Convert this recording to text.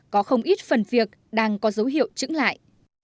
có không ít phần việc đang có dấu hiệu trứng lại